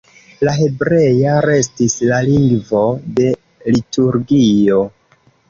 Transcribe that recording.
La hebrea restis la lingvo de liturgio.